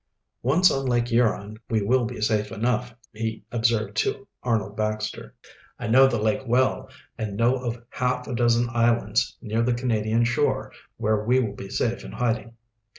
"Once on Lake Huron we will be safe enough," he observed to Arnold Baxter. "I know the lake well, and know of half a dozen islands near the Canadian shore where we will be safe in hiding."